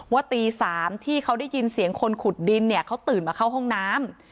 ว่าตี๓ที่เขาได้ยินเสียงคนขุดดินเนี่ยเขาตื่นมาเข้าห้องน้ำ